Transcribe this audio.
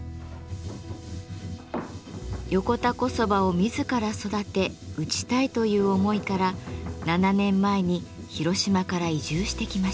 横田小そばを自ら育て打ちたいという思いから７年前に広島から移住してきました。